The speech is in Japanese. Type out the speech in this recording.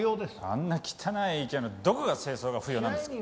あんな汚い池のどこが清掃が不要なんですか。